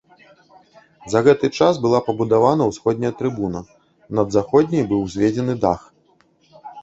За гэты час была пабудавана ўсходняя трыбуна, над заходняй быў узведзены дах.